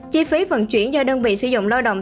chi phí vận chuyển do đơn vị sử dụng lao động